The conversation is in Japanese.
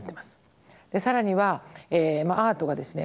更にはアートがですね